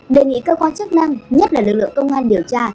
đề nghị cơ quan chức năng nhất là lực lượng công an điều tra